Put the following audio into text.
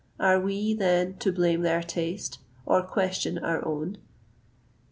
Are we, then, to blame their taste, or question our own?